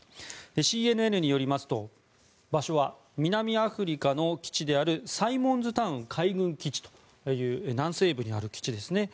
ＣＮＮによりますと場所は南アフリカの基地であるサイモンズタウン海軍基地という南西部にある基地ですね。